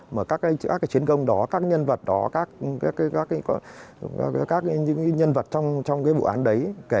mà các cái chiến công đó các nhân vật đó các nhân vật trong cái vụ án đấy